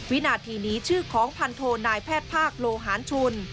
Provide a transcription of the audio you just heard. วินาทีนี้ชื่อของพันโทนายแพทย์ภาคโลหารชุน